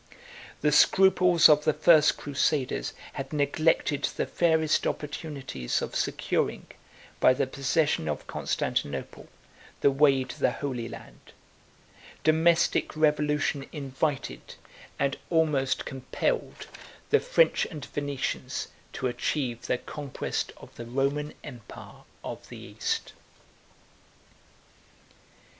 The scruples of the first crusaders had neglected the fairest opportunities of securing, by the possession of Constantinople, the way to the Holy Land: domestic revolution invited, and almost compelled, the French and Venetians to achieve the conquest of the Roman empire of the East.